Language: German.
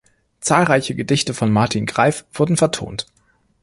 Zahlreiche Gedichte von Martin Greif wurden vertont.